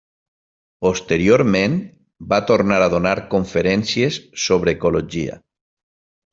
Posteriorment va tornar a donar conferències sobre ecologia.